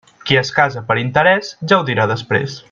Qui es casa per interès ja ho dirà després.